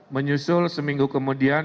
menyusul seminggu kemudian